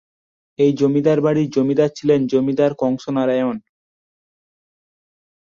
এই জমিদার বাড়ির জমিদার ছিলেন জমিদার কংস নারায়ণ।